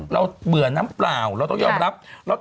เราต้องยอมรับ